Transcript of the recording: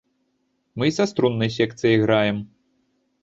Мы і са струннай секцыяй граем.